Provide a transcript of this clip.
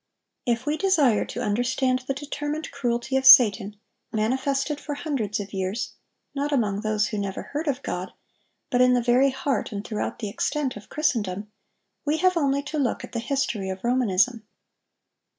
If we desire to understand the determined cruelty of Satan, manifested for hundreds of years, not among those who never heard of God, but in the very heart and throughout the extent of Christendom, we have only to look at the history of Romanism.